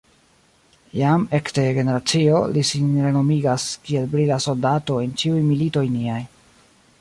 Jam ekde generacio li sin renomigas kiel brila soldato en ĉiuj militoj niaj.